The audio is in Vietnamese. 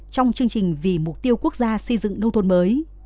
trong chương trình vì mục tiêu quốc gia xây dựng nông thôn mới